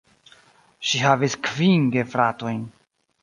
Ŝi havis kvin gefratojn.